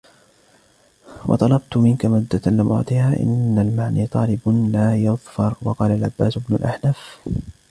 وَطَلَبْت مِنْك مَوَدَّةً لَمْ أُعْطَهَا إنَّ الْمُعَنَّى طَالِبٌ لَا يَظْفَرُ وَقَالَ الْعَبَّاسُ بْنُ الْأَحْنَفِ